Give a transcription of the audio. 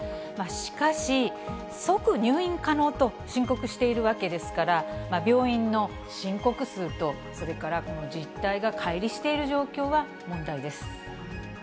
しかし、即入院可能と申告しているわけですから、病院の申告数とそれから実態がかい離している状況は問題です。